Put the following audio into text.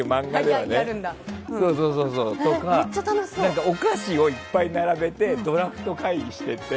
あとお菓子をいっぱい並べてドラフト会議してて。